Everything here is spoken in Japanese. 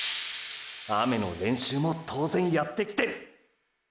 雨の練習も当然やってきてる！！